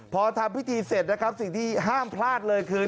พอทำพิธีเสร็จนะครับสิ่งที่ห้ามพลาดเลยคือ